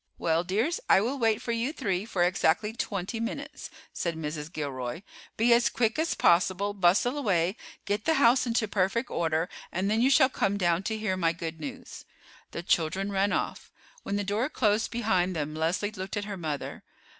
"Well, dears, I will wait for you three for exactly twenty minutes," said Mrs. Gilroy. "Be as quick as possible; bustle away, get the house into perfect order, and then you shall come down to hear my good news." The children ran off. When the door closed behind them Leslie looked at her mother.